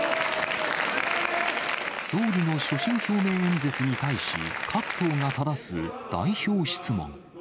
総理の所信表明演説に対し、各党がただす代表質問。